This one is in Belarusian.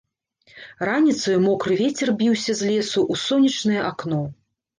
Раніцаю мокры вецер біўся з лесу ў сонечнае акно.